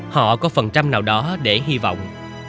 họ có phần trăm nào đó để hy vọng